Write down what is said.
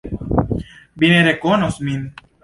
Vi ne rekonos min.